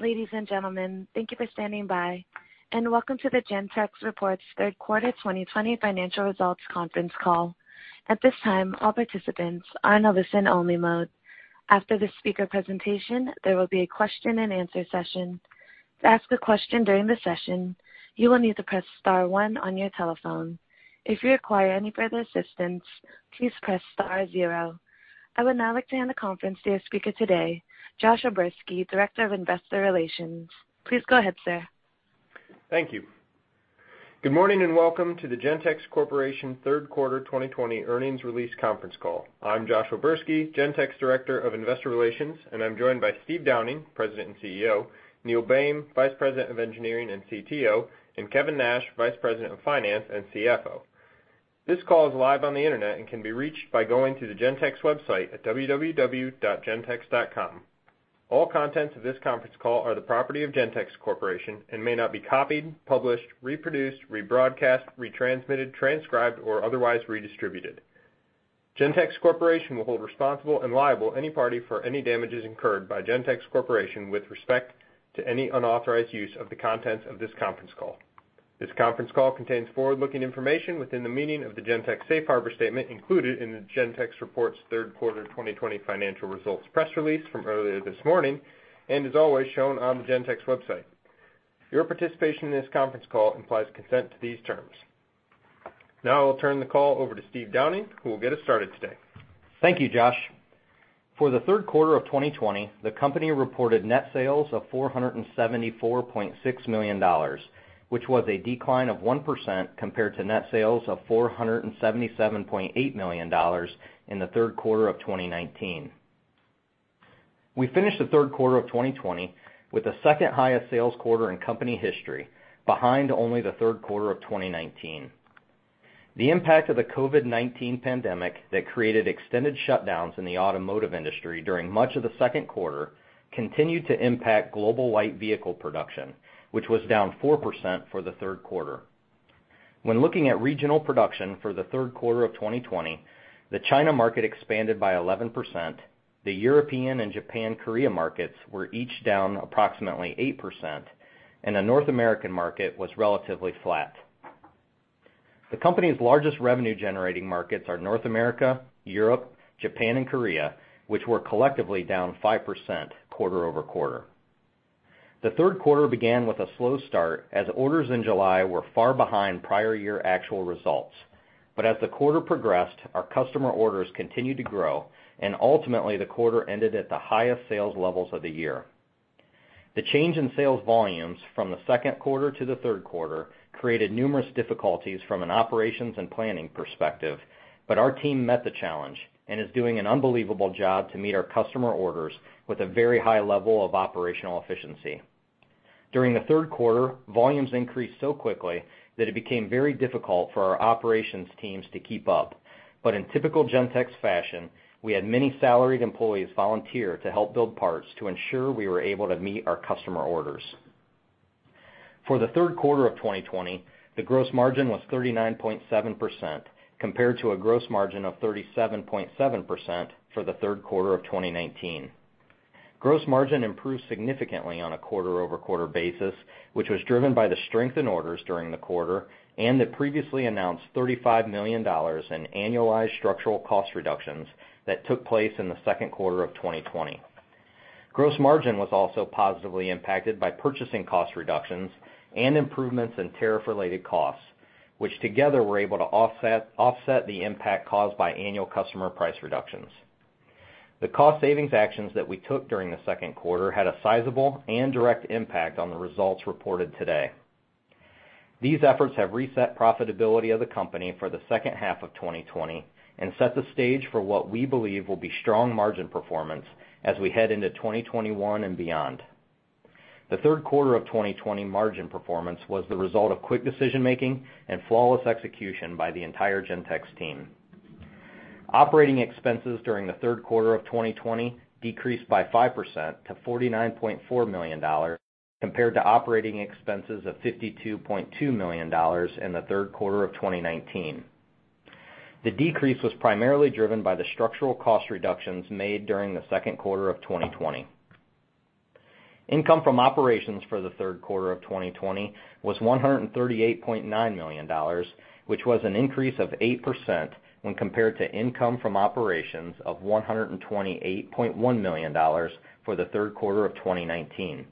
Ladies and gentlemen, thank you for standing by and welcome to the Gentex Reports Third Quarter 2020 Financial Results Conference Call. At this time, all participants are in a listen only mode. After the speaker presentation, there will be a question and answer session. To ask a question during the session, you will need to press star one on your telephone. If you require any further assistance, please press star zero. I would now like to hand the conference to your speaker today, Josh O'Berski, Director of Investor Relations. Please go ahead, sir. Thank you. Good morning and welcome to the Gentex Corporation third quarter 2020 earnings release conference call. I'm Josh O'Berski, Gentex, Director of Investor Relations, and I'm joined by Steve Downing, President and CEO, Neil Boehm, Vice President of Engineering and CTO, and Kevin Nash, Vice President of Finance and CFO. This call is live on the Internet and can be reached by going to the Gentex website at www.gentex.com. All contents of this conference call are the property of Gentex Corporation and may not be copied, published, reproduced, rebroadcast, retransmitted, transcribed, or otherwise redistributed. Gentex Corporation will hold responsible and liable any party for any damages incurred by Gentex Corporation with respect to any unauthorized use of the contents of this conference call. This conference call contains forward-looking information within the meaning of the Gentex Safe Harbor statement included in the Gentex Reports Third Quarter 2020 Financial Results press release from earlier this morning and is always shown on the Gentex website. Your participation in this conference call implies consent to these terms. Now I will turn the call over to Steve Downing, who will get us started today. Thank you, Josh. For the third quarter of 2020, the company reported net sales of $474.6 million, which was a decline of 1% compared to net sales of $477.8 million in the third quarter of 2019. We finished the third quarter of 2020 with the second highest sales quarter in company history, behind only the third quarter of 2019. The impact of the COVID-19 pandemic that created extended shutdowns in the automotive industry during much of the second quarter continued to impact global light vehicle production, which was down 4% for the third quarter. When looking at regional production for the third quarter of 2020, the China market expanded by 11%, the European and Japan/Korea markets were each down approximately 8%, and the North American market was relatively flat. The company's largest revenue generating markets are North America, Europe, Japan, and Korea, which were collectively down 5% quarter-over-quarter. The third quarter began with a slow start as orders in July were far behind prior year actual results. As the quarter progressed, our customer orders continued to grow and ultimately the quarter ended at the highest sales levels of the year. The change in sales volumes from the second quarter to the third quarter created numerous difficulties from an operations and planning perspective, but our team met the challenge and is doing an unbelievable job to meet our customer orders with a very high level of operational efficiency. During the third quarter, volumes increased so quickly that it became very difficult for our operations teams to keep up. In typical Gentex fashion, we had many salaried employees volunteer to help build parts to ensure we were able to meet our customer orders. For the third quarter of 2020, the gross margin was 39.7%, compared to a gross margin of 37.7% for the third quarter of 2019. Gross margin improved significantly on a quarter-over-quarter basis, which was driven by the strength in orders during the quarter and the previously announced $35 million in annualized structural cost reductions that took place in the second quarter of 2020. Gross margin was also positively impacted by purchasing cost reductions and improvements in tariff related costs, which together were able to offset the impact caused by annual customer price reductions. The cost savings actions that we took during the second quarter had a sizable and direct impact on the results reported today. These efforts have reset profitability of the company for the second half of 2020 and set the stage for what we believe will be strong margin performance as we head into 2021 and beyond. The third quarter of 2020 margin performance was the result of quick decision making and flawless execution by the entire Gentex team. Operating expenses during the third quarter of 2020 decreased by 5% to $49.4 million, compared to operating expenses of $52.2 million in the third quarter of 2019. The decrease was primarily driven by the structural cost reductions made during the second quarter of 2020. Income from operations for the third quarter of 2020 was $138.9 million, which was an increase of 8% when compared to income from operations of $128.1 million for the third quarter of 2019.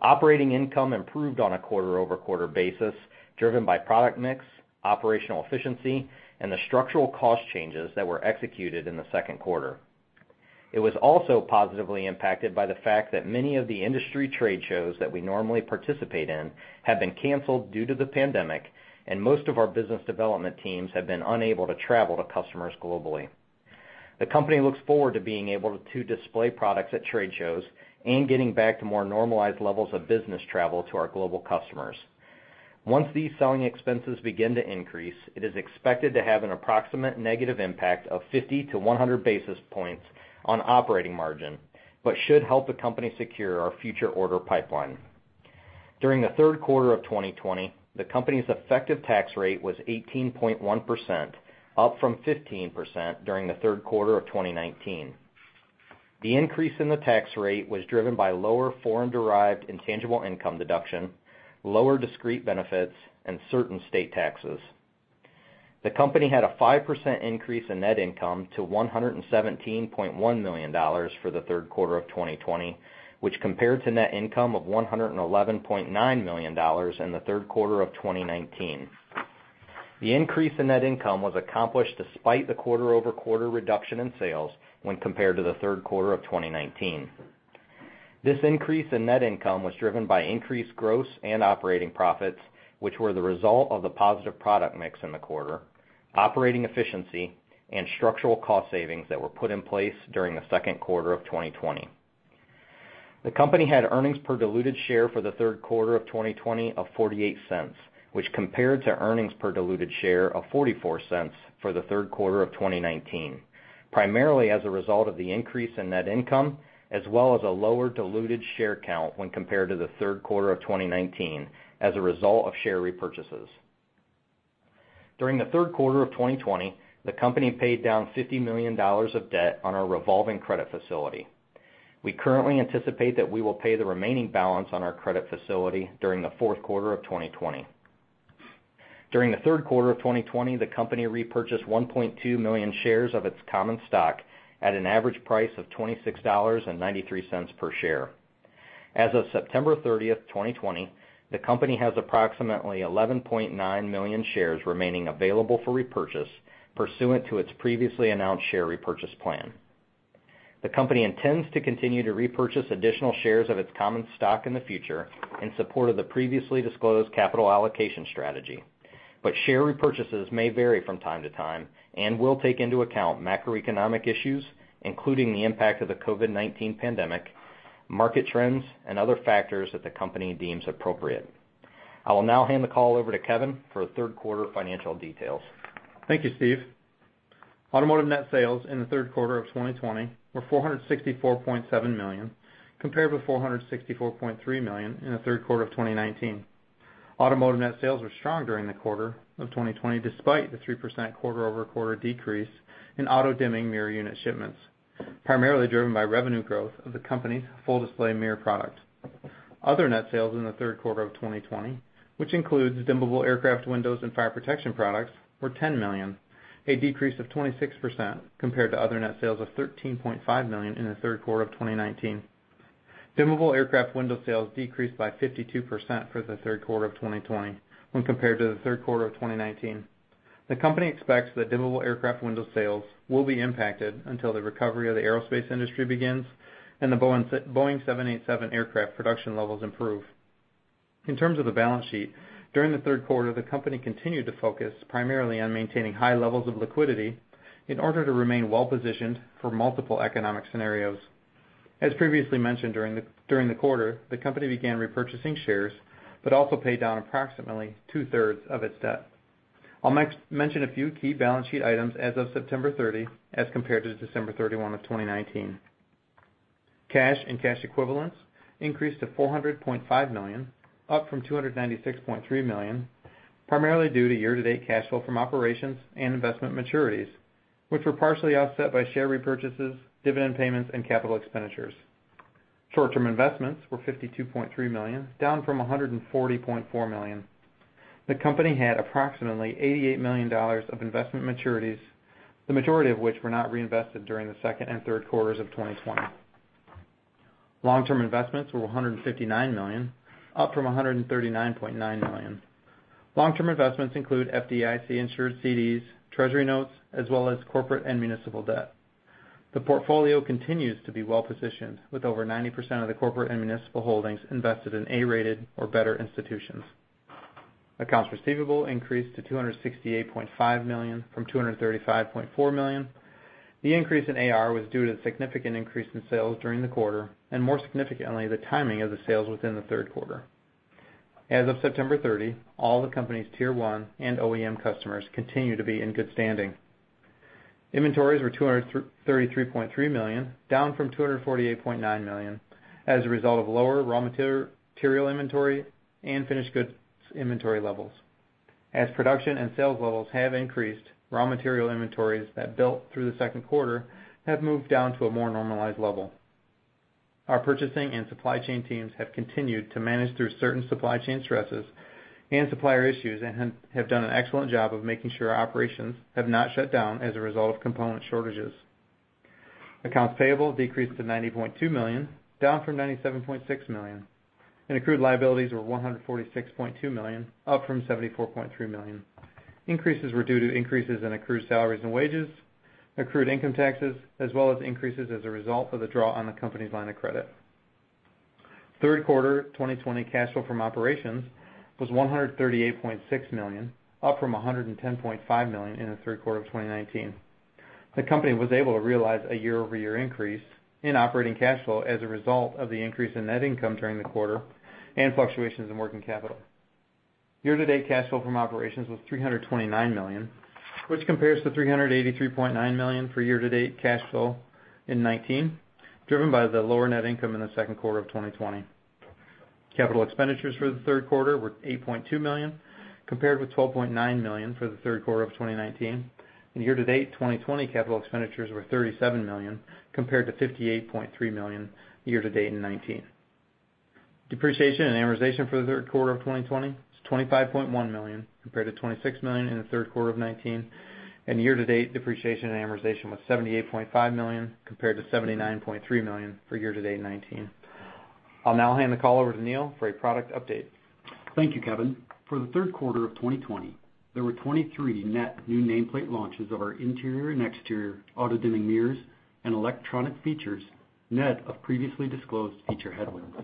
Operating income improved on a quarter-over-quarter basis, driven by product mix, operational efficiency, and the structural cost changes that were executed in the second quarter. It was also positively impacted by the fact that many of the industry trade shows that we normally participate in have been canceled due to the pandemic, and most of our business development teams have been unable to travel to customers globally. The company looks forward to being able to display products at trade shows and getting back to more normalized levels of business travel to our global customers. Once these selling expenses begin to increase, it is expected to have an approximate negative impact of 50 basis points-100 basis points on operating margin, but should help the company secure our future order pipeline. During the third quarter of 2020, the company's effective tax rate was 18.1%, up from 15% during the third quarter of 2019. The increase in the tax rate was driven by lower foreign-derived intangible income deduction, lower discrete benefits, and certain state taxes. The company had a 5% increase in net income to $117.1 million for the third quarter of 2020, which compared to net income of $111.9 million in the third quarter of 2019. The increase in net income was accomplished despite the quarter-over-quarter reduction in sales when compared to the third quarter of 2019. This increase in net income was driven by increased gross and operating profits, which were the result of the positive product mix in the quarter, operating efficiency, and structural cost savings that were put in place during the second quarter of 2020. The company had earnings per diluted share for the third quarter of 2020 of $0.48, which compared to earnings per diluted share of $0.44 for the third quarter of 2019, primarily as a result of the increase in net income, as well as a lower diluted share count when compared to the third quarter of 2019, as a result of share repurchases. During the third quarter of 2020, the company paid down $50 million of debt on our revolving credit facility. We currently anticipate that we will pay the remaining balance on our credit facility during the fourth quarter of 2020. During the third quarter of 2020, the company repurchased 1.2 million shares of its common stock at an average price of $26.93 per share. As of September 30th, 2020, the company has approximately 11.9 million shares remaining available for repurchase pursuant to its previously announced share repurchase plan. The company intends to continue to repurchase additional shares of its common stock in the future in support of the previously disclosed capital allocation strategy. Share repurchases may vary from time to time and will take into account macroeconomic issues, including the impact of the COVID-19 pandemic, market trends, and other factors that the company deems appropriate. I will now hand the call over to Kevin for the third quarter financial details. Thank you, Steve. Automotive net sales in the third quarter of 2020 were $464.7 million, compared with $464.3 million in the third quarter of 2019. Automotive net sales were strong during the quarter of 2020, despite the 3% quarter-over-quarter decrease in auto-dimming mirror unit shipments, primarily driven by revenue growth of the company's Full Display Mirror product. Other net sales in the third quarter of 2020, which includes dimmable aircraft windows and fire protection products, were $10 million, a decrease of 26% compared to other net sales of $13.5 million in the third quarter of 2019. Dimmable aircraft window sales decreased by 52% for the third quarter of 2020 when compared to the third quarter of 2019. The company expects that dimmable aircraft window sales will be impacted until the recovery of the aerospace industry begins and the Boeing 787 aircraft production levels improve. In terms of the balance sheet, during the third quarter, the company continued to focus primarily on maintaining high levels of liquidity in order to remain well-positioned for multiple economic scenarios. As previously mentioned, during the quarter, the company began repurchasing shares but also paid down approximately 2/3 of its debt. I'll mention a few key balance sheet items as of September 30 as compared to December 31, 2019. Cash and cash equivalents increased to $400.5 million, up from $296.3 million, primarily due to year-to-date cash flow from operations and investment maturities, which were partially offset by share repurchases, dividend payments, and capital expenditures. Short-term investments were $52.3 million, down from $140.4 million. The company had approximately $88 million of investment maturities, the majority of which were not reinvested during the second and third quarters of 2020. Long-term investments were $159 million, up from $139.9 million. Long-term investments include FDIC-insured CDs, treasury notes, as well as corporate, and municipal debt. The portfolio continues to be well-positioned, with over 90% of the corporate and municipal holdings invested in A-rated or better institutions. Accounts receivable increased to $268.5 million from $235.4 million. The increase in AR was due to the significant increase in sales during the quarter, and more significantly, the timing of the sales within the third quarter. As of September 30, all the company's tier 1 and OEM customers continue to be in good standing. Inventories were $233.3 million, down from $248.9 million as a result of lower raw material inventory and finished goods inventory levels. As production and sales levels have increased, raw material inventories that built through the second quarter have moved down to a more normalized level. Our purchasing and supply chain teams have continued to manage through certain supply chain stresses and supplier issues and have done an excellent job of making sure our operations have not shut down as a result of component shortages. Accounts payable decreased to $90.2 million, down from $97.6 million, and accrued liabilities were $146.2 million, up from $74.3 million. Increases were due to increases in accrued salaries and wages, accrued income taxes, as well as increases as a result of the draw on the company's line of credit. Third quarter 2020 cash flow from operations was $138.6 million, up from $110.5 million in the third quarter of 2019. The company was able to realize a year-over-year increase in operating cash flow as a result of the increase in net income during the quarter and fluctuations in working capital. Year-to-date cash flow from operations was $329 million, which compares to $383.9 million for year-to-date cash flow in 2019, driven by the lower net income in the second quarter of 2020. Capital expenditures for the third quarter were $8.2 million, compared with $12.9 million for the third quarter of 2019, and year-to-date 2020 capital expenditures were $37 million, compared to $58.3 million year-to-date in 2019. Depreciation and amortization for the third quarter of 2020 is $25.1 million, compared to $26 million in the third quarter of 2019, and year-to-date depreciation and amortization was $78.5 million, compared to $79.3 million for year-to-date 2019. I'll now hand the call over to Neil for a product update. Thank you, Kevin. For the third quarter of 2020, there were 23 net new nameplate launches of our interior and exterior auto-dimming mirrors and electronic features, net of previously disclosed feature headwinds.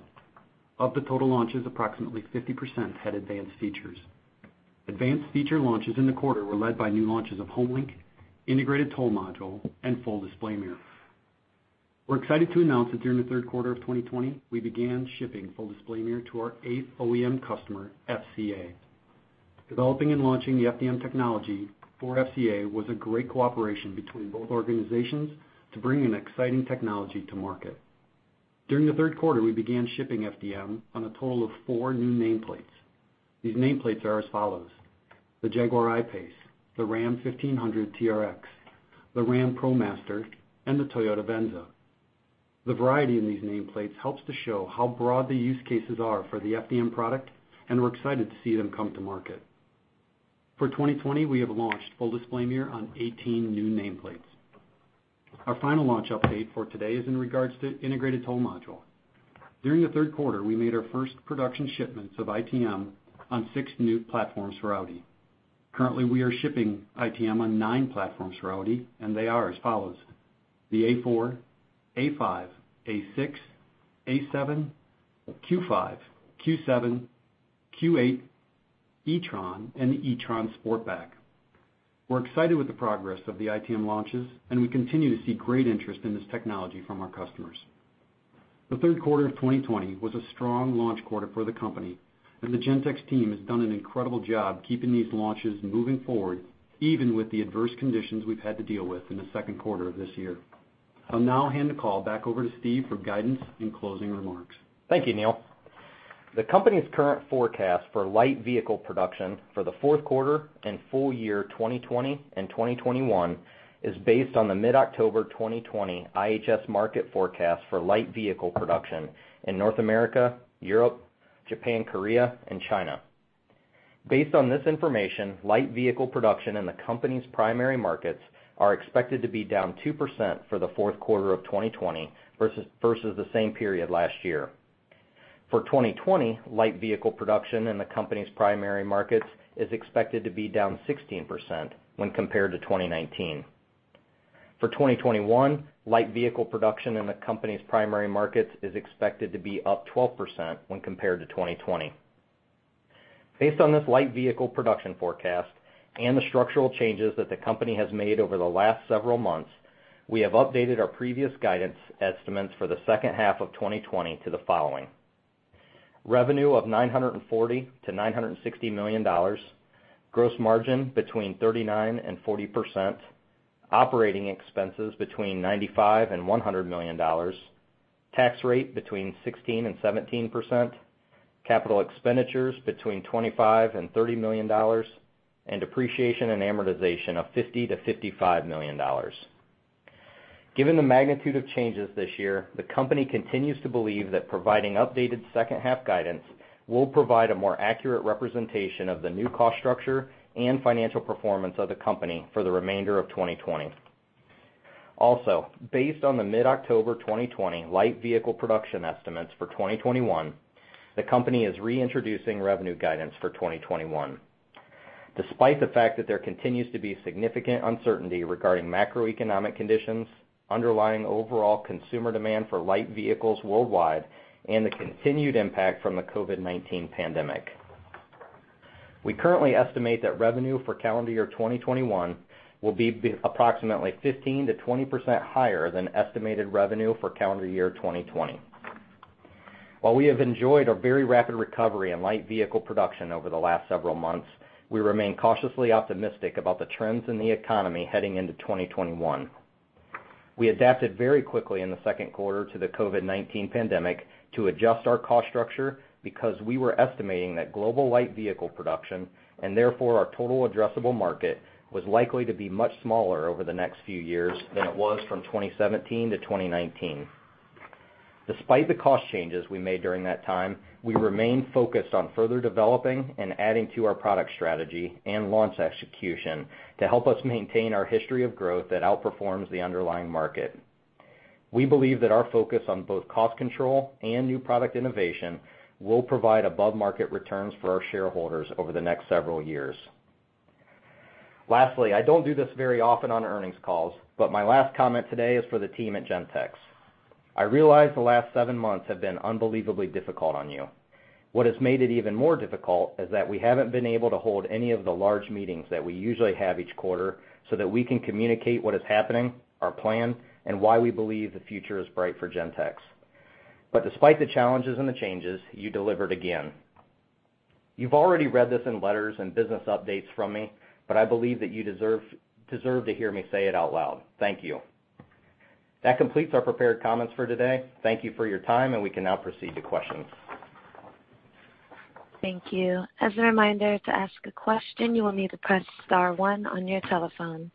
Of the total launches, approximately 50% had advanced features. Advanced feature launches in the quarter were led by new launches of HomeLink, Integrated Toll Module, and Full Display Mirror. We're excited to announce that during the third quarter of 2020, we began shipping Full Display Mirror to our eighth OEM customer, FCA. Developing and launching the FDM technology for FCA was a great cooperation between both organizations to bring an exciting technology to market. During the third quarter, we began shipping FDM on a total of four new nameplates. These nameplates are as follows: The Jaguar I-PACE, the Ram 1500 TRX, the Ram ProMaster, and the Toyota Venza. The variety in these nameplates helps to show how broad the use cases are for the FDM product, and we're excited to see them come to market. For 2020, we have launched Full Display Mirror on 18 new nameplates. Our final launch update for today is in regards to Integrated Toll Module. During the third quarter, we made our first production shipments of ITM on six new platforms for Audi. Currently, we are shipping ITM on nine platforms for Audi, and they are as follows: The A4, A5, A6, A7, Q5, Q7, Q8, e-tron, and the e-tron Sportback. We're excited with the progress of the ITM launches, and we continue to see great interest in this technology from our customers. The third quarter of 2020 was a strong launch quarter for the company. The Gentex team has done an incredible job keeping these launches moving forward, even with the adverse conditions we've had to deal with in the second quarter of this year. I'll now hand the call back over to Steve for guidance and closing remarks. Thank you, Neil. The company's current forecast for light vehicle production for the fourth quarter and full year 2020 and 2021 is based on the mid-October 2020 IHS Markit forecast for light vehicle production in North America, Europe, Japan, Korea, and China. Based on this information, light vehicle production in the company's primary markets are expected to be down 2% for the fourth quarter of 2020 versus the same period last year. For 2020, light vehicle production in the company's primary markets is expected to be down 16% when compared to 2019. For 2021, light vehicle production in the company's primary markets is expected to be up 12% when compared to 2020. Based on this light vehicle production forecast and the structural changes that the company has made over the last several months, we have updated our previous guidance estimates for the second half of 2020 to the following: revenue of $940 million-$960 million. gross margin between 39% and 40%. operating expenses between $95 million and $100 million. tax rate between 16% and 17%. capital expenditures between $25 million and $30 million. Depreciation and amortization of $50 million-$55 million. Given the magnitude of changes this year, the company continues to believe that providing updated second half guidance will provide a more accurate representation of the new cost structure and financial performance of the company for the remainder of 2020. Also, based on the mid-October 2020 light vehicle production estimates for 2021, the company is reintroducing revenue guidance for 2021. Despite the fact that there continues to be significant uncertainty regarding macroeconomic conditions, underlying overall consumer demand for light vehicles worldwide, and the continued impact from the COVID-19 pandemic. We currently estimate that revenue for calendar year 2021 will be approximately 15%-20% higher than estimated revenue for calendar year 2020. While we have enjoyed a very rapid recovery in light vehicle production over the last several months, we remain cautiously optimistic about the trends in the economy heading into 2021. We adapted very quickly in the second quarter to the COVID-19 pandemic to adjust our cost structure because we were estimating that global light vehicle production, and therefore our total addressable market, was likely to be much smaller over the next few years than it was from 2017 to 2019. Despite the cost changes we made during that time, we remain focused on further developing and adding to our product strategy and launch execution to help us maintain our history of growth that outperforms the underlying market. We believe that our focus on both cost control and new product innovation will provide above-market returns for our shareholders over the next several years. Lastly, I don't do this very often on earnings calls, but my last comment today is for the team at Gentex. I realize the last seven months have been unbelievably difficult on you. What has made it even more difficult is that we haven't been able to hold any of the large meetings that we usually have each quarter so that we can communicate what is happening, our plan, and why we believe the future is bright for Gentex. Despite the challenges and the changes, you delivered again. You've already read this in letters and business updates from me, I believe that you deserve to hear me say it out loud. Thank you. That completes our prepared comments for today. Thank you for your time, we can now proceed to questions. Thank you. As a reminder, to ask a question, you will need to press star one on your telephone.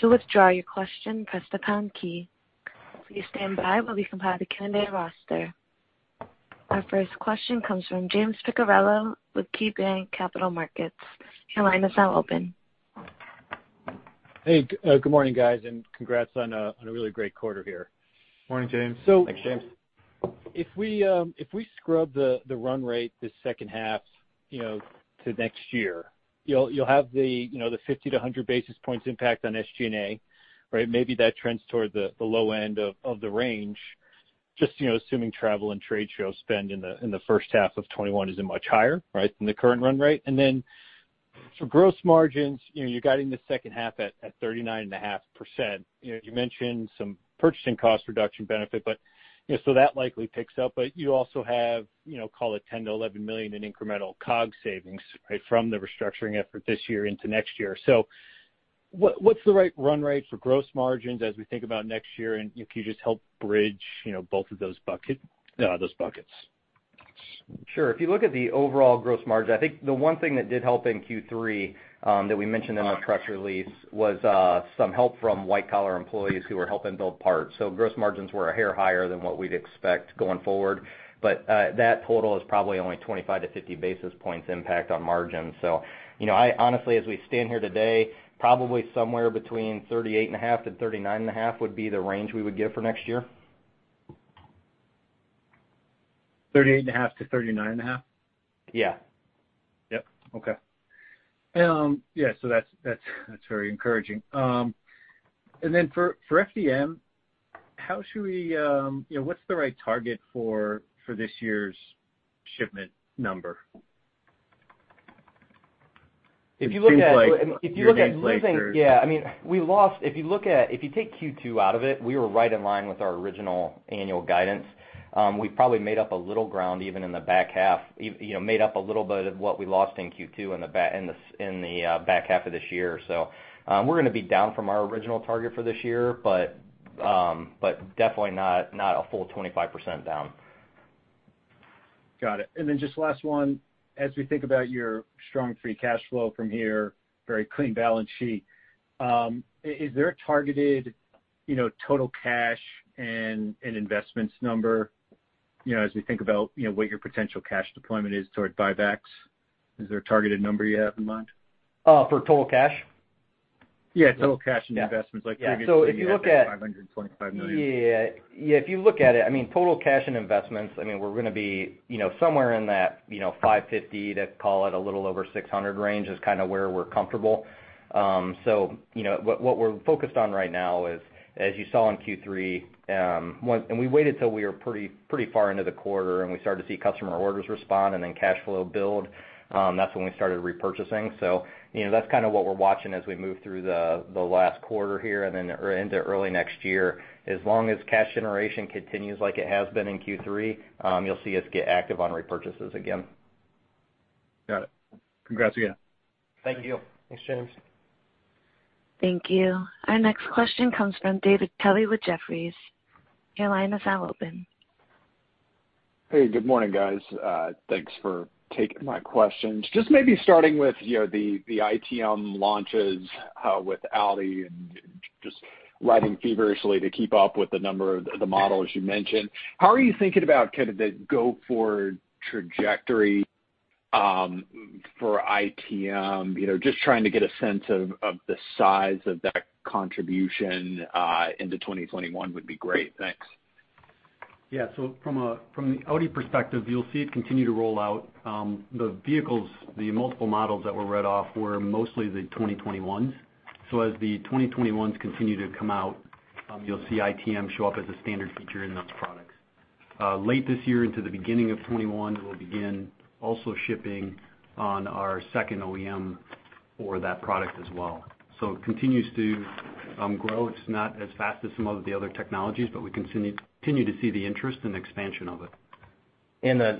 To withdraw your question, press the pound key. Please stand by while we compile the candidate roster. Our first question comes from James Picariello with KeyBanc Capital Markets. Your line is now open. Hey, good morning, guys, and congrats on a really great quarter here. Morning, James. Thanks, James. If we scrub the run rate this second half to next year, you'll have the 50 basis points-100 basis points impact on SG&A, right? Maybe that trends toward the low end of the range, just assuming travel and trade show spend in the first half of 2021 isn't much higher, right, than the current run rate. For gross margins, you got in the second half at 39.5%. You mentioned some purchasing cost reduction benefit, so that likely picks up. You also have, call it, $10 million-$11 million in incremental COGS savings, right, from the restructuring effort this year into next year. What's the right run rate for gross margins as we think about next year? Can you just help bridge both of those buckets? Sure. If you look at the overall gross margin, I think the one thing that did help in Q3 that we mentioned in our press release was some help from white-collar employees who were helping build parts. Gross margins were a hair higher than what we'd expect going forward. That total is probably only 25 basis points-50 basis points impact on margin. Honestly, as we stand here today, probably somewhere between 38.5%-39.5% would be the range we would give for next year. 38.5%-39.5%? Yeah. Yep. Okay. Yeah. That's very encouraging. For FDM, what's the right target for this year's shipment number? It seems like you guys are. Yeah. If you take Q2 out of it, we were right in line with our original annual guidance. We probably made up a little ground even in the back half, made up a little bit of what we lost in Q2 in the back half of this year. We're going to be down from our original target for this year, but definitely not a full 25% down. Got it. Then just last one. As we think about your strong free cash flow from here, very clean balance sheet, is there a targeted total cash and investments number as we think about what your potential cash deployment is toward buybacks? Is there a targeted number you have in mind? For total cash? Total cash and investments. Like previously when you had that $525 million. Yeah. If you look at it, total cash and investments, we're going to be somewhere in that $550 to, call it, a little over $600 range is kind of where we're comfortable. What we're focused on right now is, as you saw in Q3, and we waited till we were pretty far into the quarter and we started to see customer orders respond and then cash flow build. That's when we started repurchasing. That's kind of what we're watching as we move through the last quarter here and then into early next year. As long as cash generation continues like it has been in Q3, you'll see us get active on repurchases again. Got it. Congrats again. Thank you. Thanks, James. Thank you. Our next question comes from David Kelley with Jefferies. Your line is now open. Hey, good morning, guys. Thanks for taking my questions. Just maybe starting with the ITM launches with Audi and just writing feverishly to keep up with the number of the models you mentioned. How are you thinking about kind of the go-forward trajectory for ITM? Just trying to get a sense of the size of that contribution into 2021 would be great. Thanks. Yeah. From the Audi perspective, you'll see it continue to roll out. The vehicles, the multiple models that were read off were mostly the 2021s. As the 2021s continue to come out, you'll see ITM show up as a standard feature in those products. Late this year into the beginning of 2021, we'll begin also shipping on our second OEM for that product as well. It continues to grow. It's not as fast as some of the other technologies, but we continue to see the interest and expansion of it.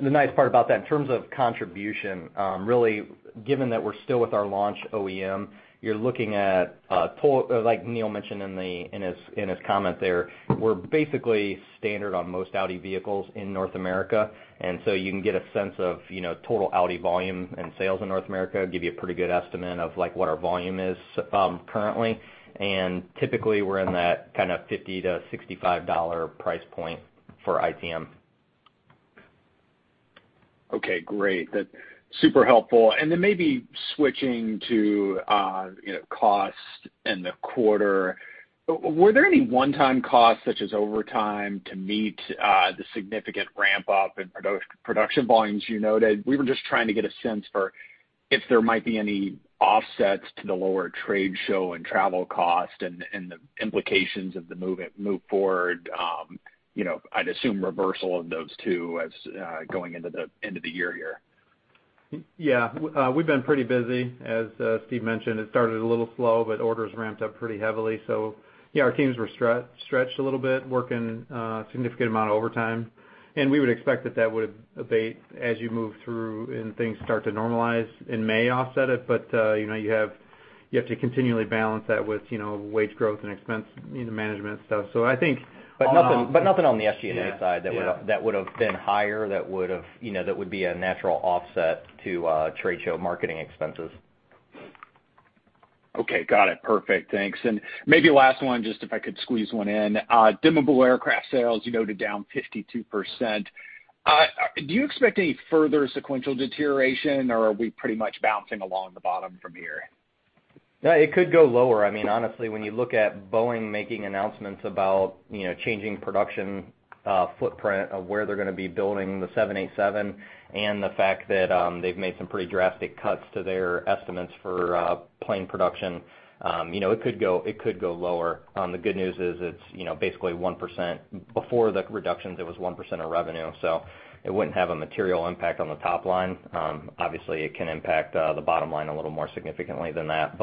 The nice part about that in terms of contribution, really given that we're still with our launch OEM, you're looking at, like Neil mentioned in his comment there, we're basically standard on most Audi vehicles in North America. You can get a sense of total Audi volume and sales in North America, give you a pretty good estimate of what our volume is currently. Typically, we're in that kind of $50-$65 price point for ITM. Okay, great. That's super helpful. Maybe switching to cost and the quarter. Were there any one-time costs such as overtime to meet the significant ramp-up in production volumes you noted? We were just trying to get a sense for if there might be any offsets to the lower trade show and travel cost and the implications of the move forward, I'd assume reversal of those two as going into the end of the year here. Yeah. We've been pretty busy. As Steve mentioned, it started a little slow. Orders ramped up pretty heavily. Yeah, our teams were stretched a little bit, working a significant amount of overtime. We would expect that that would abate as you move through and things start to normalize in May offset it. You have to continually balance that with wage growth and expense management stuff. Nothing on the SG&A side. Yeah. That would've been higher, that would be a natural offset to trade show marketing expenses? Okay. Got it. Perfect. Thanks. Maybe last one, just if I could squeeze one in. dimmable aircraft sales, you noted down 52%. Do you expect any further sequential deterioration, or are we pretty much bouncing along the bottom from here? No, it could go lower. Honestly, when you look at Boeing making announcements about changing production footprint of where they're going to be building the 787 and the fact that they've made some pretty drastic cuts to their estimates for plane production, it could go lower. The good news is it's basically 1%. Before the reductions, it was 1% of revenue. It wouldn't have a material impact on the top line. Obviously, it can impact the bottom line a little more significantly than that.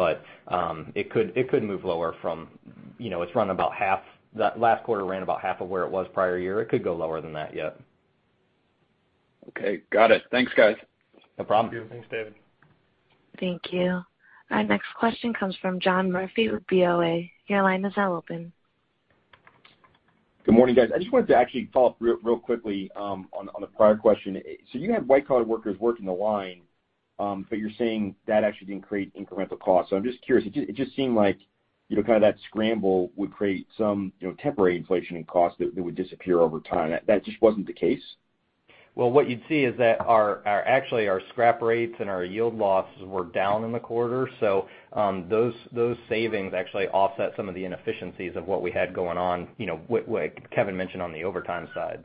It could move lower from, it's run about half, that last quarter ran about half of where it was prior year. It could go lower than that, yeah. Okay. Got it. Thanks, guys. No problem. Thanks, David. Thank you. Our next question comes from John Murphy with [BoA]. Your line is now open. Good morning, guys. I just wanted to actually follow up real quickly on the prior question. You had white-collar workers working the line, but you're saying that actually didn't create incremental cost. I'm just curious, it just seemed like kind of that scramble would create some temporary inflation in cost that would disappear over time. That just wasn't the case? Well, what you'd see is that actually our scrap rates and our yield losses were down in the quarter, so those savings actually offset some of the inefficiencies of what we had going on, like Kevin mentioned on the overtime side.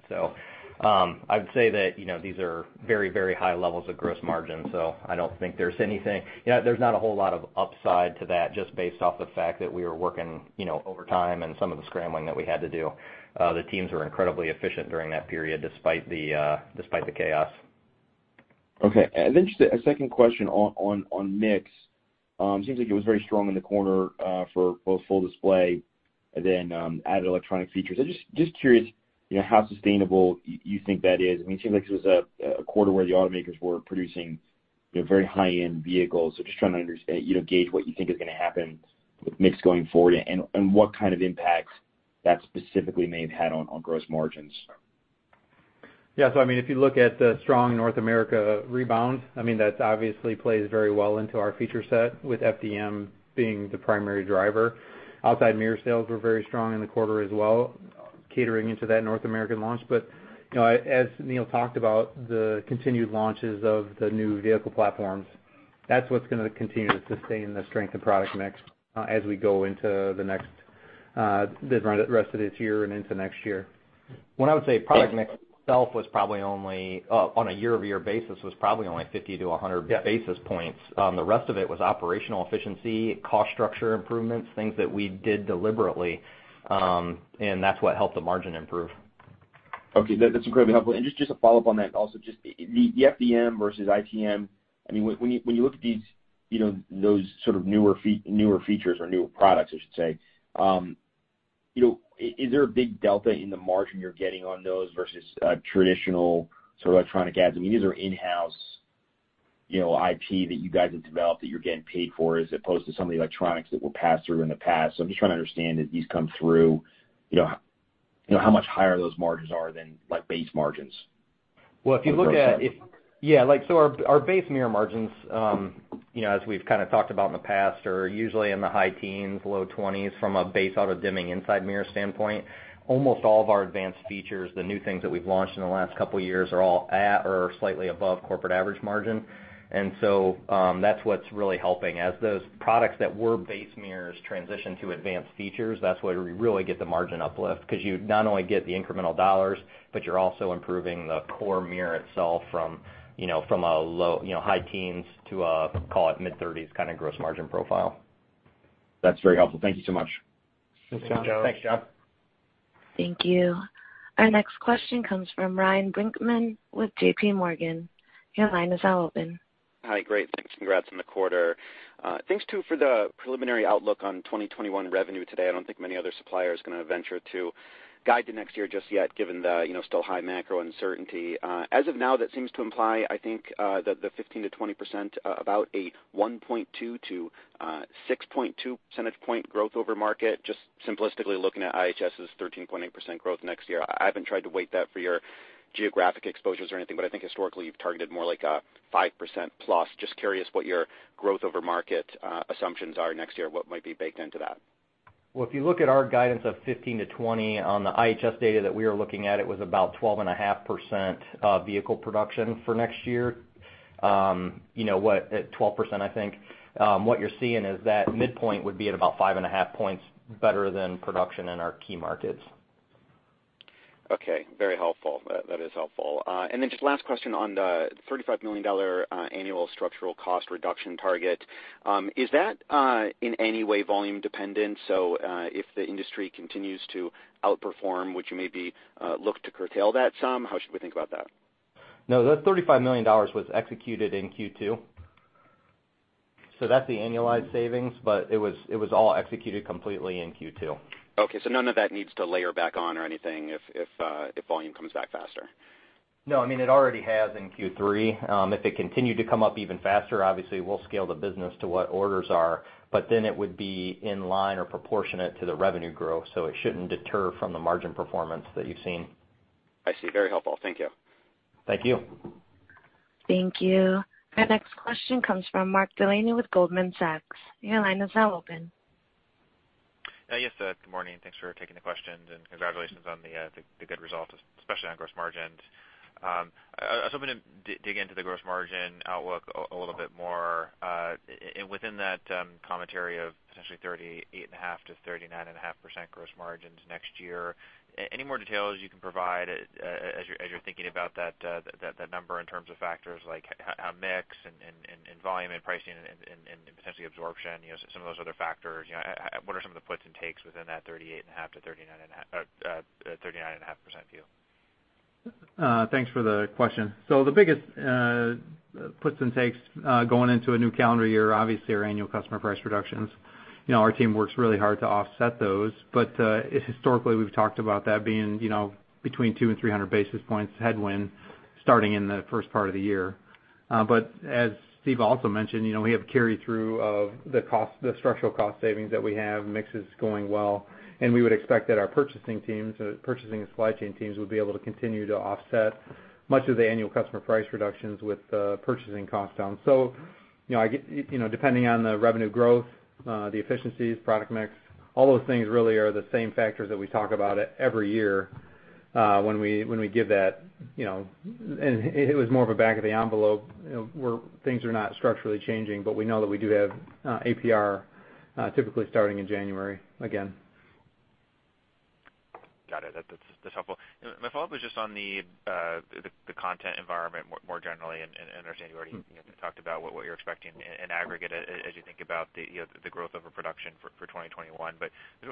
I would say that these are very high levels of gross margin, so there's not a whole lot of upside to that, just based off the fact that we were working overtime and some of the scrambling that we had to do. The teams were incredibly efficient during that period despite the chaos. Okay. Then just a second question on mix. It seems like it was very strong in the quarter for both Full Display, then added electronic features. I'm just curious how sustainable you think that is. It seems like it was a quarter where the automakers were producing very high-end vehicles. Just trying to understand, gauge what you think is going to happen with mix going forward and what kind of impacts that specifically may have had on gross margins? Yeah. If you look at the strong North America rebound, that obviously plays very well into our feature set with FDM being the primary driver. Outside mirror sales were very strong in the quarter as well, catering into that North American launch. As Neil talked about, the continued launches of the new vehicle platforms, that's what's going to continue to sustain the strength of product mix as we go into the next, the rest of this year and into next year. When I would say product mix itself was probably only on a year-over-year basis was probably only 50 basis points-100 basis points. The rest of it was operational efficiency, cost structure improvements, things that we did deliberately, and that's what helped the margin improve. Okay. That's incredibly helpful. Just to follow up on that also, just the FDM versus ITM, when you look at those sort of newer features or newer products, I should say, is there a big delta in the margin you're getting on those versus traditional electronic mirrors? These are in-house IP that you guys have developed that you're getting paid for as opposed to some of the electronics that were passed through in the past. I'm just trying to understand as these come through, how much higher those margins are than base margins. Our base mirror margins, as we've kind of talked about in the past, are usually in the high teens, low 20%s from a base auto-dimming inside mirror standpoint. Almost all of our advanced features, the new things that we've launched in the last couple of years are all at or slightly above corporate average margin. That's what's really helping. As those products that were base mirrors transition to advanced features, that's where we really get the margin uplift because you not only get the incremental US dollars, but you're also improving the core mirror itself from a high teens to a, call it mid-30%s kind of gross margin profile. That's very helpful. Thank you so much. Thanks, John. Thanks, John. Thank you. Our next question comes from Ryan Brinkman with JPMorgan. Your line is now open. Hi. Great, thanks, congrats on the quarter. Thanks, too, for the preliminary outlook on 2021 revenue today. I don't think many other suppliers are going to venture to guide to next year just yet given the still high macro uncertainty. As of now, that seems to imply, I think, the 15%-20%, about a 1.2 percentage point to 6.2 percentage point growth over market. Just simplistically looking at IHS's 13.8% growth next year. I haven't tried to weight that for your geographic exposures or anything, I think historically you've targeted more like a 5%+. Just curious what your growth over market assumptions are next year, what might be baked into that. If you look at our guidance of 15%-20% on the IHS data that we were looking at, it was about 12.5% vehicle production for next year. At 12%, I think what you're seeing is that midpoint would be at about 5.5 percentage points better than production in our key markets. Okay. Very helpful. That is helpful. Just last question on the $35 million annual structural cost reduction target. Is that in any way volume dependent? If the industry continues to outperform, would you maybe look to curtail that some? How should we think about that? No, that $35 million was executed in Q2. That's the annualized savings, but it was all executed completely in Q2. Okay, none of that needs to layer back on or anything if volume comes back faster? No, it already has in Q3. If it continued to come up even faster, obviously we'll scale the business to what orders are, but then it would be in line or proportionate to the revenue growth. It shouldn't deter from the margin performance that you've seen. I see. Very helpful. Thank you. Thank you. Thank you. Our next question comes from Mark Delaney with Goldman Sachs. Your line is now open. Yes. Good morning. Thanks for taking the questions, and congratulations on the good results, especially on gross margins. I was hoping to dig into the gross margin outlook a little bit more. Within that commentary of potentially 38.5%-39.5% gross margins next year, any more details you can provide as you're thinking about that number in terms of factors like how mix and volume and pricing and potentially absorption, some of those other factors, what are some of the puts and takes within that 38.5%-39.5% view? Thanks for the question. The biggest puts and takes going into a new calendar year are obviously our annual customer price reductions. Our team works really hard to offset those, but historically, we've talked about that being between 200 basis points and 300 basis points headwind starting in the first part of the year. As Steve also mentioned, we have carry-through of the structural cost savings that we have, mix is going well, and we would expect that our purchasing and supply chain teams would be able to continue to offset much of the annual customer price reductions with purchasing cost down. Depending on the revenue growth, the efficiencies, product mix, all those things really are the same factors that we talk about every year when we give that. It was more of a back-of-the-envelope where things are not structurally changing, but we know that we do have APR typically starting in January again. Got it. That's helpful. My follow-up is just on the content environment more generally. I understand you already talked about what you're expecting in aggregate as you think about the growth of a production for 2021. I was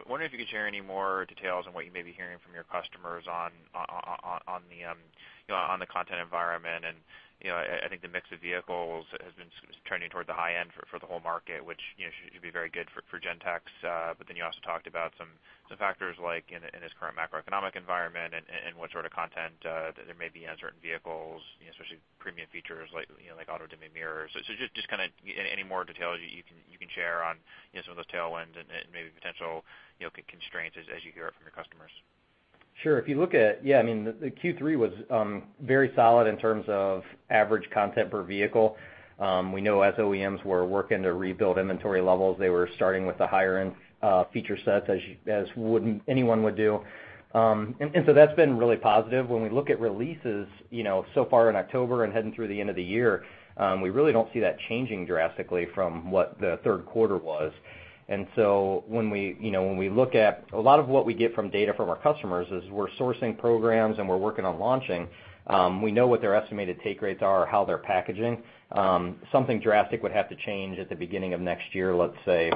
wondering if you could share any more details on what you may be hearing from your customers on the content environment. I think the mix of vehicles has been trending toward the high end for the whole market, which should be very good for Gentex. You also talked about some factors like in this current macroeconomic environment and what sort of content there may be on certain vehicles, especially premium features like auto-dimming mirrors. Just any more details you can share on some of those tailwinds and maybe potential constraints as you hear it from your customers. Sure. If you look at it, Q3 was very solid in terms of average content per vehicle. We know as OEMs were working to rebuild inventory levels, they were starting with the higher-end feature sets as anyone would do. That's been really positive. When we look at releases so far in October and heading through the end of the year, we really don't see that changing drastically from what the third quarter was. When we look at a lot of what we get from data from our customers as we're sourcing programs and we're working on launching, we know what their estimated take rates are, how they're packaging. Something drastic would have to change at the beginning of next year, let's say,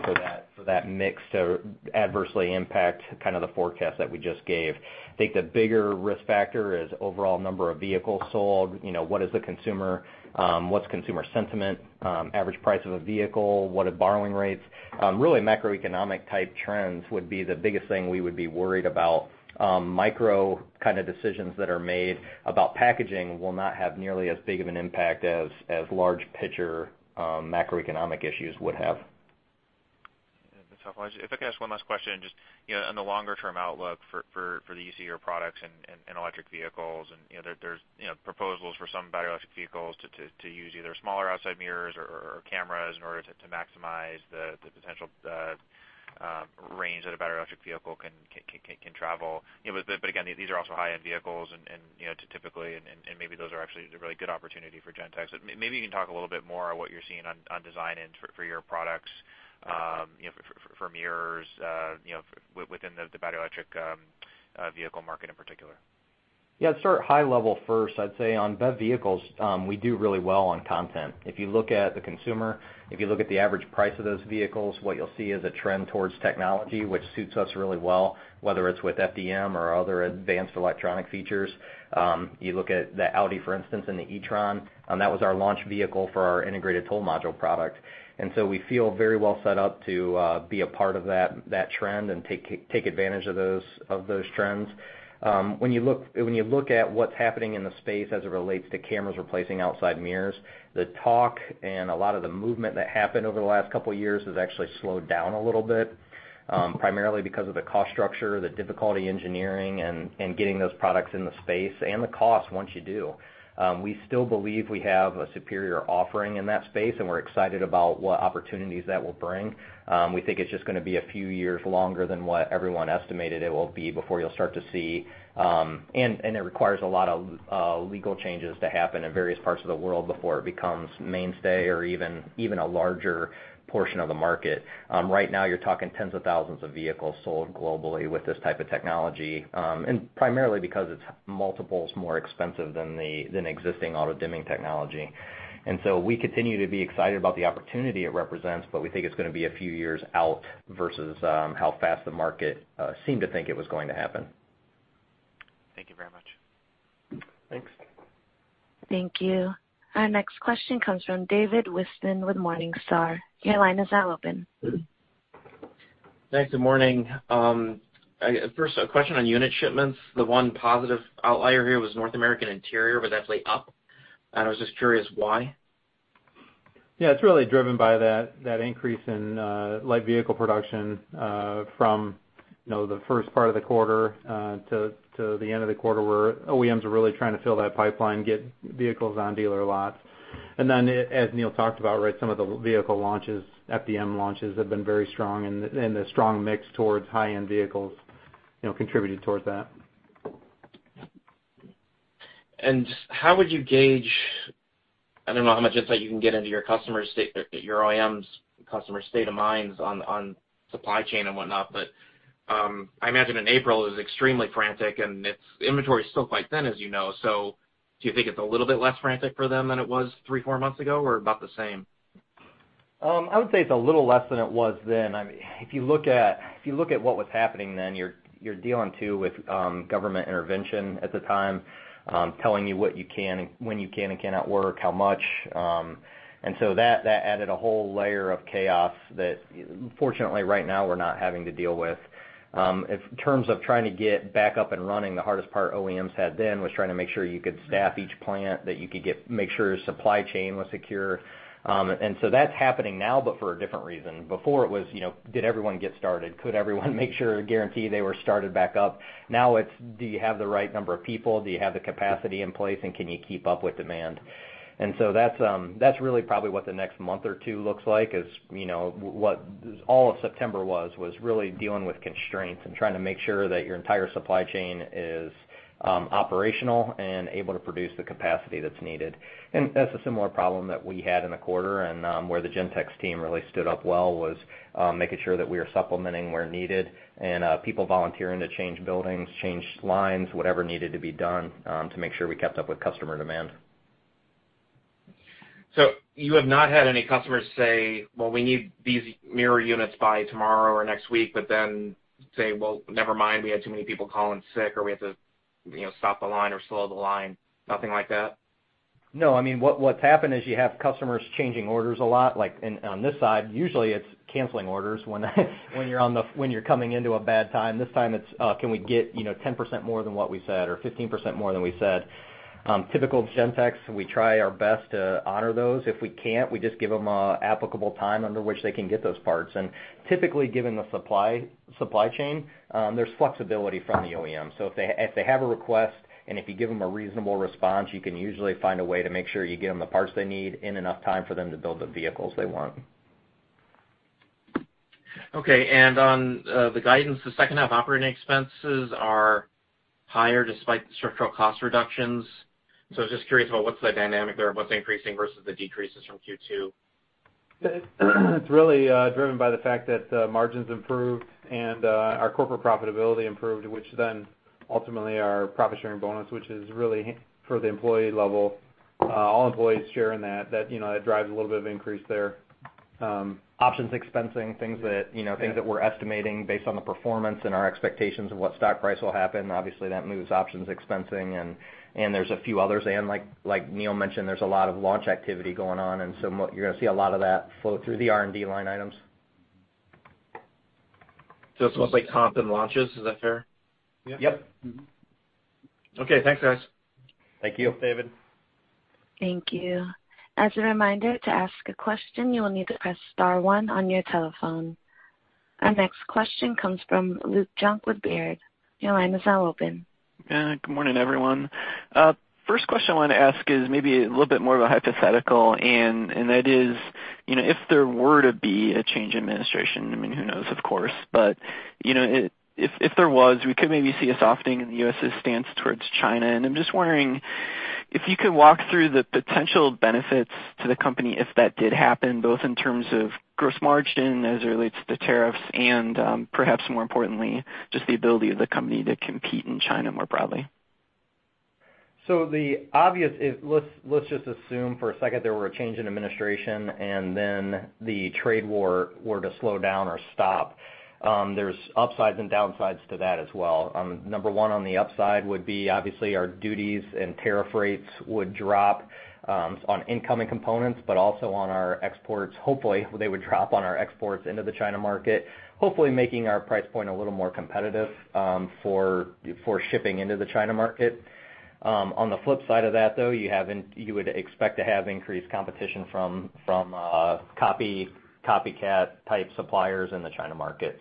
for that mix to adversely impact the forecast that we just gave. I think the bigger risk factor is overall number of vehicles sold. What's consumer sentiment? Average price of a vehicle? What are borrowing rates? Really macroeconomic-type trends would be the biggest thing we would be worried about. Micro decisions that are made about packaging will not have nearly as big of an impact as large-picture macroeconomic issues would have. That's helpful. If I could ask one last question, just on the longer-term outlook for the easier products and electric vehicles and there's proposals for some battery electric vehicles to use either smaller outside mirrors or cameras in order to maximize the potential range that a battery electric vehicle can travel. Again, these are also high-end vehicles and maybe those are actually a really good opportunity for Gentex. Maybe you can talk a little bit more on what you're seeing on design end for your products for mirrors within the battery electric vehicle market in particular. Yeah. To start high level first, I'd say on BEV vehicles, we do really well on content. If you look at the consumer, if you look at the average price of those vehicles, what you'll see is a trend towards technology which suits us really well, whether it's with FDM or other advanced electronic features. You look at the Audi, for instance, and the e-tron, that was our launch vehicle for our Integrated Toll Module product. We feel very well set up to be a part of that trend and take advantage of those trends. When you look at what's happening in the space as it relates to cameras replacing outside mirrors, the talk and a lot of the movement that happened over the last couple of years has actually slowed down a little bit, primarily because of the cost structure, the difficulty engineering and getting those products in the space and the cost once you do. We still believe we have a superior offering in that space, and we're excited about what opportunities that will bring. It requires a lot of legal changes to happen in various parts of the world before it becomes mainstay or even a larger portion of the market. Right now, you're talking tens of thousands of vehicles sold globally with this type of technology, and primarily because it's multiples more expensive than existing auto-dimming technology. We continue to be excited about the opportunity it represents, but we think it's going to be a few years out versus how fast the market seemed to think it was going to happen. Thank you very much. Thanks. Thank you. Our next question comes from David Whiston with Morningstar. Your line is now open. Thanks. Good morning. First, a question on unit shipments. The one positive outlier here was North American Interior was actually up. I was just curious why. Yeah, it's really driven by that increase in light vehicle production from the first part of the quarter to the end of the quarter where OEMs are really trying to fill that pipeline, get vehicles on dealer lots. As Neil talked about, some of the vehicle launches, FDM launches, have been very strong and the strong mix towards high-end vehicles contributed towards that. How would you gauge, I don't know how much insight you can get into your OEM's customer state of minds on supply chain and whatnot, but I imagine in April it was extremely frantic and its inventory is still quite thin as you know. Do you think it's a little bit less frantic for them than it was three months, four months ago, or about the same? I would say it's a little less than it was then. If you look at what was happening then, you're dealing too with government intervention at the time, telling you when you can and cannot work, how much. That added a whole layer of chaos that fortunately right now we're not having to deal with. In terms of trying to get back up and running, the hardest part OEMs had then was trying to make sure you could staff each plant, that you could make sure supply chain was secure. That's happening now, but for a different reason. Before it was, did everyone get started? Could everyone make sure or guarantee they were started back up? Now it's do you have the right number of people? Do you have the capacity in place, and can you keep up with demand? That's really probably what the next month or two looks like is what all of September was really dealing with constraints and trying to make sure that your entire supply chain is operational and able to produce the capacity that's needed. That's a similar problem that we had in the quarter and where the Gentex team really stood up well was making sure that we are supplementing where needed and people volunteering to change buildings, change lines, whatever needed to be done to make sure we kept up with customer demand. You have not had any customers say, "Well, we need these mirror units by tomorrow or next week," but then say, "Well, never mind, we had too many people call in sick," or, "We have to stop the line or slow the line." Nothing like that? No, what's happened is you have customers changing orders a lot. On this side, usually it's canceling orders when you're coming into a bad time. This time it's, "Can we get 10% more than what we said or 15% more than we said?" Typical Gentex, we try our best to honor those. If we can't, we just give them a applicable time under which they can get those parts. Typically given the supply chain, there's flexibility from the OEM. If they have a request and if you give them a reasonable response, you can usually find a way to make sure you get them the parts they need in enough time for them to build the vehicles they want. Okay, on the guidance, the second half operating expenses are higher despite the structural cost reductions. I was just curious about what's the dynamic there and what's increasing versus the decreases from Q2? It's really driven by the fact that the margins improved and our corporate profitability improved, which then ultimately our profit-sharing bonus, which is really for the employee level, all employees share in that. That drives a little bit of increase there. Options expensing, things that we're estimating based on the performance and our expectations of what stock price will happen. Obviously, that moves options expensing and there's a few others. Like Neil mentioned, there's a lot of launch activity going on, you're going to see a lot of that flow through the R&D line items. It's mostly comp and launches, is that fair? Yep. Yep. Okay. Thanks, guys. Thank you. Thanks, David. Thank you. As a reminder to ask a question, you will need to press star one on your telephone. Our next question comes from Luke Junk with Baird. Your line is now open. Good morning, everyone. First question I want to ask is maybe a little bit more of a hypothetical, and that is if there were to be a change in administration, I mean, who knows, of course, but if there was, we could maybe see a softening in the U.S.'s stance towards China, and I'm just wondering if you could walk through the potential benefits to the company if that did happen, both in terms of gross margin as it relates to tariffs and perhaps more importantly, just the ability of the company to compete in China more broadly. Let's just assume for a second there were a change in administration and then the trade war were to slow down or stop. There's upsides and downsides to that as well. Number one on the upside would be obviously our duties and tariff rates would drop on incoming components, but also on our exports. Hopefully they would drop on our exports into the China market, hopefully making our price point a little more competitive for shipping into the China market. On the flip side of that, though, you would expect to have increased competition from copycat type suppliers in the China market.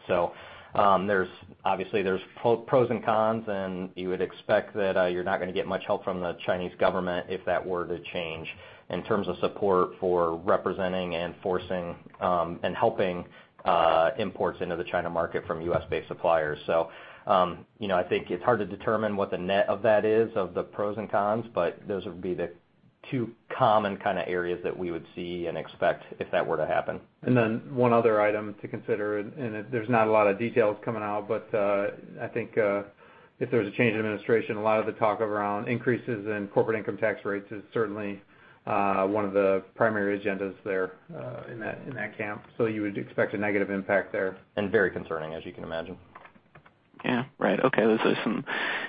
Obviously there's pros and cons, and you would expect that you're not going to get much help from the Chinese government if that were to change in terms of support for representing and forcing and helping imports into the China market from U.S.-based suppliers. I think it's hard to determine what the net of that is, of the pros and cons. Those would be the two common kind of areas that we would see and expect if that were to happen. One other item to consider, and there's not a lot of details coming out, but I think if there's a change in administration, a lot of the talk around increases in corporate income tax rates is certainly one of the primary agendas there in that camp. You would expect a negative impact there. Very concerning, as you can imagine. Yeah. Right. Okay. Those are some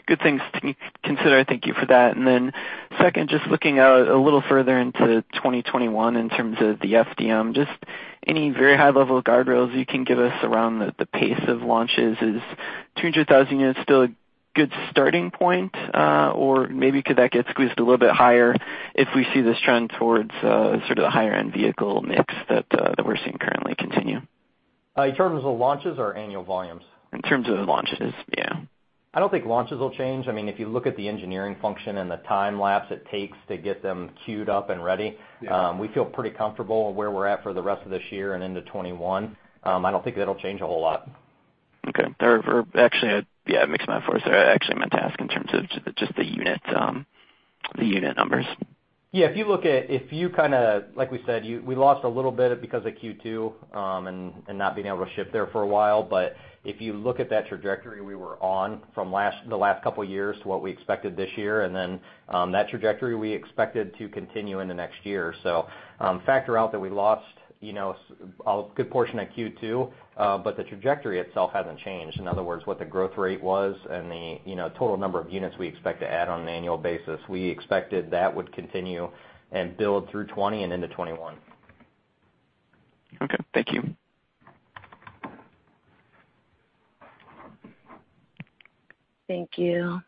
good things to consider. Thank you for that. Second, just looking out a little further into 2021 in terms of the FDM, just any very high level guardrails you can give us around the pace of launches. Is 200,000 units still a good starting point? Or maybe could that get squeezed a little bit higher if we see this trend towards sort of the higher end vehicle mix that we're seeing currently continue? In terms of launches or annual volumes? In terms of launches, yeah. I don't think launches will change. If you look at the engineering function and the time lapse it takes to get them queued up and ready. Yeah. We feel pretty comfortable where we're at for the rest of this year and into 2021. I don't think it'll change a whole lot. Okay. Actually, yeah, I mixed my thoughts there. I actually meant to ask in terms of just the unit numbers. Like we said, we lost a little bit because of Q2 and not being able to ship there for a while. If you look at that trajectory we were on from the last couple of years to what we expected this year, that trajectory we expected to continue into next year. Factor out that we lost a good portion of Q2, the trajectory itself hasn't changed. In other words, what the growth rate was and the total number of units we expect to add on an annual basis, we expected that would continue and build through 2020 and into 2021. Okay, thank you. Thank you.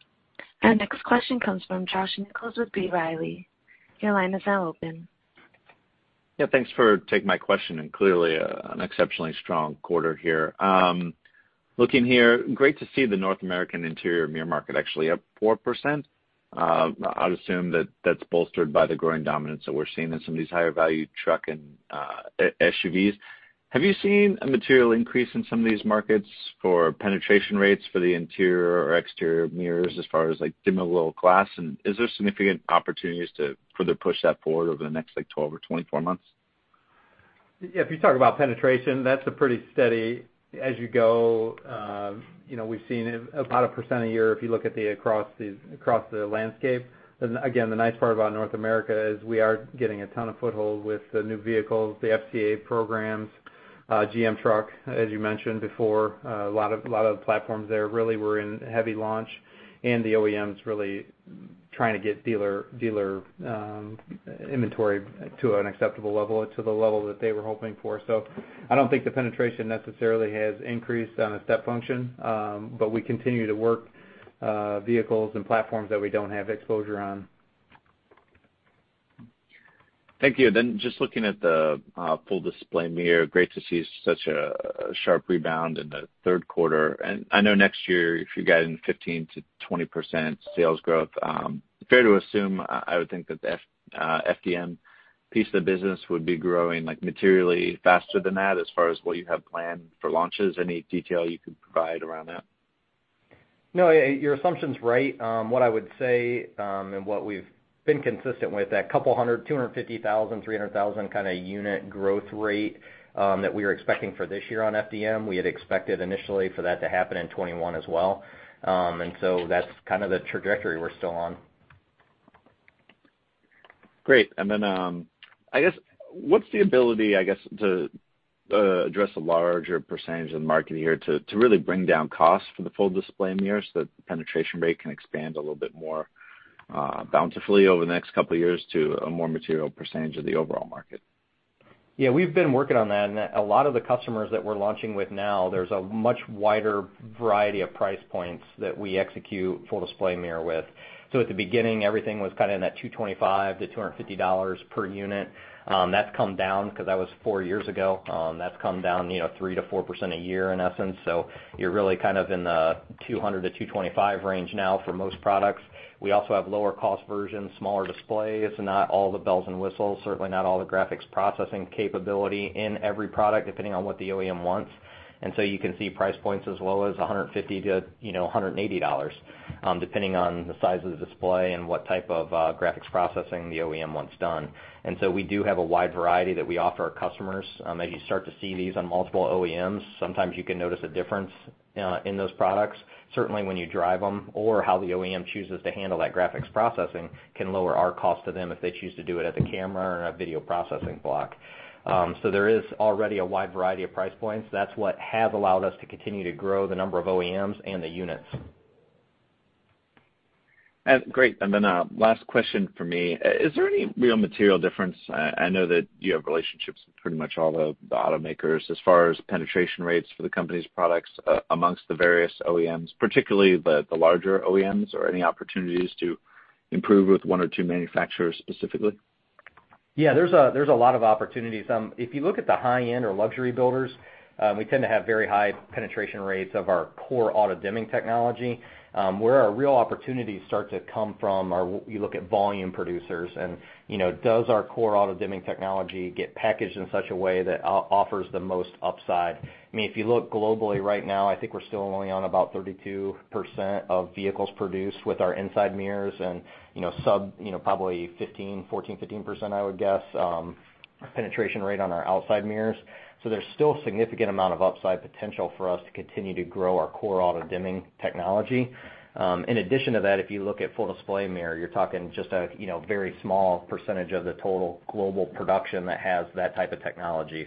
Our next question comes from Josh Nichols with B. Riley. Your line is now open. Yeah, thanks for taking my question. Clearly an exceptionally strong quarter here. Looking here, great to see the North American interior mirror market actually up 4%. I'd assume that that's bolstered by the growing dominance that we're seeing in some of these higher value truck and SUVs. Have you seen a material increase in some of these markets for penetration rates for the interior or exterior mirrors as far as dimmable glass, and is there significant opportunities to further push that forward over the next 12 months or 24 months? Yeah, if you talk about penetration, that's a pretty steady as you go. We've seen about 1% a year if you look at across the landscape. Again, the nice part about North America is we are getting a ton of foothold with the new vehicles, the FCA programs, GM truck, as you mentioned before. A lot of the platforms there really were in heavy launch and the OEMs really trying to get dealer inventory to an acceptable level or to the level that they were hoping for. I don't think the penetration necessarily has increased on a step function, but we continue to work vehicles and platforms that we don't have exposure on. Thank you. Just looking at the Full Display Mirror, great to see such a sharp rebound in the third quarter. I know next year you're guiding 15%-20% sales growth. Fair to assume, I would think that the FDM piece of the business would be growing materially faster than that as far as what you have planned for launches. Any detail you could provide around that? No, your assumption's right. What I would say and what we've been consistent with, that couple hundred, 250,000 units, 300,000 kind of unit growth rate that we were expecting for this year on FDM, we had expected initially for that to happen in 2021 as well. That's kind of the trajectory we're still on. Great. What's the ability to address a larger percentage of the market here to really bring down costs for the Full Display Mirrors so that the penetration rate can expand a little bit more bountifully over the next couple of years to a more material percentage of the overall market? Yeah, we've been working on that, and a lot of the customers that we're launching with now, there's a much wider variety of price points that we execute Full Display Mirror with. At the beginning, everything was kind of in that $225-$250 per unit. That's come down because that was four years ago. That's come down 3%-4% a year, in essence. You're really kind of in the $200-$225 range now for most products. We also have lower cost versions, smaller displays, not all the bells and whistles, certainly not all the graphics processing capability in every product depending on what the OEM wants. You can see price points as low as $150-$180 depending on the size of the display and what type of graphics processing the OEM wants done. We do have a wide variety that we offer our customers. As you start to see these on multiple OEMs, sometimes you can notice a difference in those products, certainly when you drive them or how the OEM chooses to handle that graphics processing can lower our cost to them if they choose to do it at the camera or in a video processing block. There is already a wide variety of price points. That's what have allowed us to continue to grow the number of OEMs and the units. Great. Last question from me. Is there any real material difference, I know that you have relationships with pretty much all the automakers as far as penetration rates for the company's products amongst the various OEMs, particularly the larger OEMs or any opportunities to improve with one or two manufacturers specifically? Yeah, there's a lot of opportunities. If you look at the high-end or luxury builders, we tend to have very high penetration rates of our core auto-dimming technology. Where our real opportunities start to come from are you look at volume producers and does our core auto-dimming technology get packaged in such a way that offers the most upside? If you look globally right now, I think we're still only on about 32% of vehicles produced with our inside mirrors and sub probably 14%, 15%, I would guess, penetration rate on our outside mirrors. There's still significant amount of upside potential for us to continue to grow our core auto-dimming technology. In addition to that, if you look at Full Display Mirror, you're talking just a very small percentage of the total global production that has that type of technology.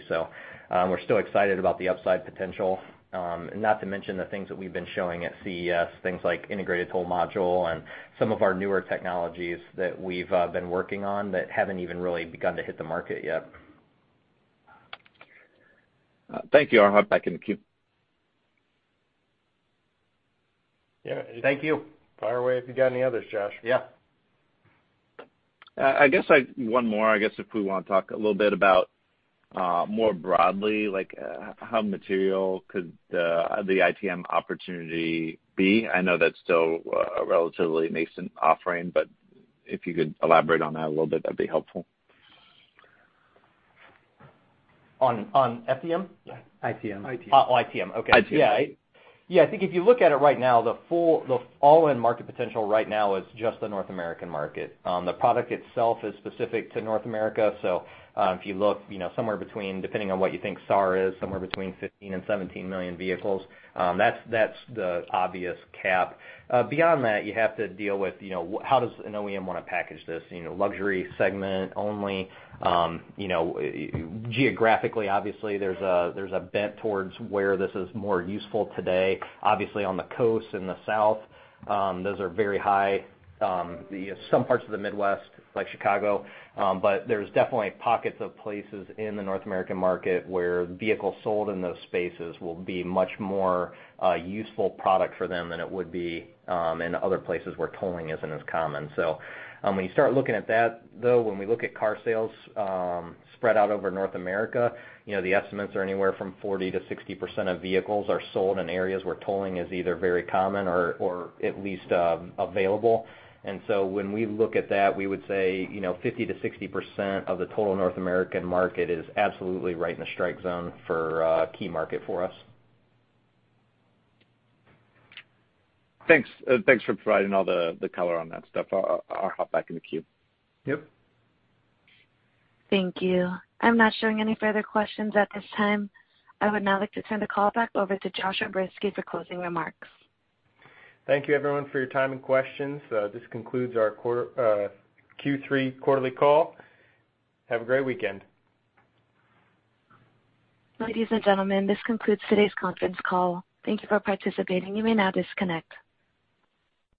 We're still excited about the upside potential, not to mention the things that we've been showing at CES, things like Integrated Toll Module and some of our newer technologies that we've been working on that haven't even really begun to hit the market yet. Thank you. I'll hop back in the queue. Yeah. Thank you. Fire away if you got any others, Josh. Yeah. I guess, one more, I guess if we want to talk a little bit about more broadly, how material could the ITM opportunity be? I know that's still a relatively nascent offering, but if you could elaborate on that a little bit, that'd be helpful. On FDM? Yeah. ITM. Oh, ITM. Okay. ITM. Yeah. I think if you look at it right now, the all-in market potential right now is just the North American market. The product itself is specific to North America. If you look, depending on what you think SAAR is, somewhere between 15 million and 17 million vehicles, that's the obvious cap. Beyond that, you have to deal with how does an OEM want to package this? Luxury segment only. Geographically, obviously, there's a bent towards where this is more useful today. Obviously, on the coast, in the South, those are very high. Some parts of the Midwest, like Chicago, but there's definitely pockets of places in the North American market where vehicles sold in those spaces will be much more a useful product for them than it would be in other places where tolling isn't as common. When you start looking at that, though, when we look at car sales spread out over North America, the estimates are anywhere from 40%-60% of vehicles are sold in areas where tolling is either very common or at least available. When we look at that, we would say 50%-60% of the total North American market is absolutely right in the strike zone for a key market for us. Thanks for providing all the color on that stuff. I'll hop back in the queue. Yep. Thank you. I'm not showing any further questions at this time. I would now like to turn the call back over to Josh O'Berski for closing remarks. Thank you, everyone, for your time and questions. This concludes our Q3 quarterly call. Have a great weekend. Ladies and gentlemen, this concludes today's conference call. Thank you for participating. You may now disconnect.